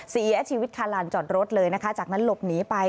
เสียชีวิตคาลานจอดรถเลยนะคะจากนั้นหลบหนีไป